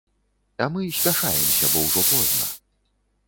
А мы спяшаемся, бо ўжо позна.